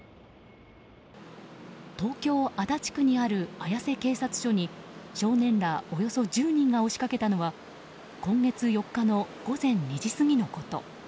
東京・足立区にある綾瀬警察署に少年らおよそ１０人が押しかけたのは今月４日の午前２時過ぎのこと。